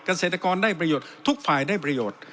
เกษตรกรได้ประโยชน์ทุกฝ่ายได้ประโยชน์